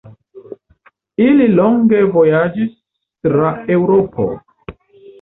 Ili longe vojaĝis tra Eŭropo.